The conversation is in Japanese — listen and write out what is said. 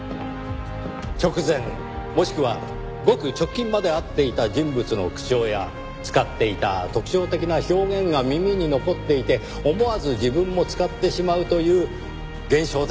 直前もしくはごく直近まで会っていた人物の口調や使っていた特徴的な表現が耳に残っていて思わず自分も使ってしまうという現象ですよ。